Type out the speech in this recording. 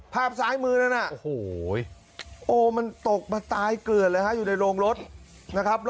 ภาพซ้ายมือนั้นน่ะโอ้โหโอ้มันตกมาตายเกลือดเลยฮะอยู่ในโรงรถนะครับ